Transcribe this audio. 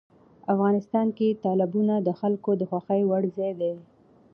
افغانستان کې تالابونه د خلکو د خوښې وړ ځای دی.